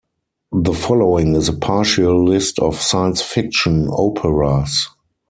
The following is a partial list of science-fiction operas.